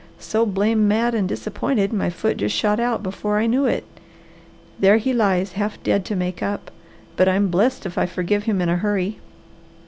So blame mad and disappointed my foot just shot out before I knew it. There he lies half dead to make up, but I'm blest if I forgive him in a hurry.